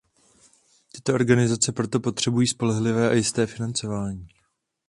Tyto organizace proto potřebují spolehlivé a jisté financování.